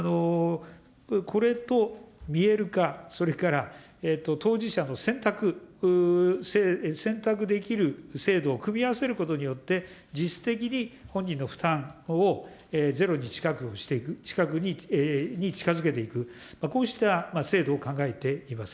これと、見える化、それから当事者の選択、選択できる制度を組み合わせることによって、実質的に本人の負担をゼロに近くに、近づけていく、こうした制度を考えています。